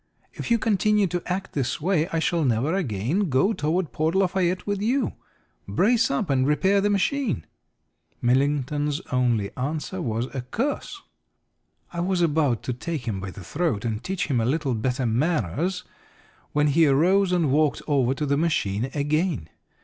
If you continue to act this way I shall never again go toward Port Lafayette with you. Brace up, and repair the machine." Millington's only answer was a curse. I was about to take him by the throat and teach him a little better manners when he arose and walked over to the machine again.